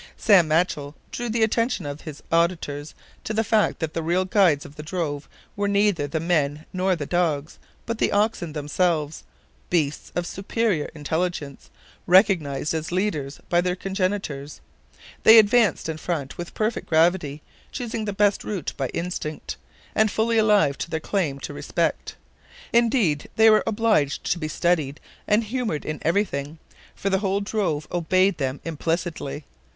Sam Machell drew the attention of his auditors to the fact that the real guides of the drove were neither the men nor the dogs, but the oxen themselves, beasts of superior intelligence, recognized as leaders by their congenitors. They advanced in front with perfect gravity, choosing the best route by instinct, and fully alive to their claim to respect. Indeed, they were obliged to be studied and humored in everything, for the whole drove obeyed them implicitly.